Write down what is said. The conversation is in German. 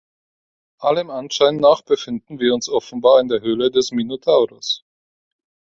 Allem Anschein nach befinden wir uns offenbar in der Höhle des Minotauros.